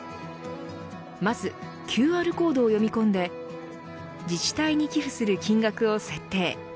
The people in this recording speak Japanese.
まず、ＱＲコードを読み込んで自治体に寄付する金額を設定。